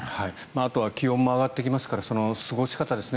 あとは気温も上がってきますから過ごし方ですね。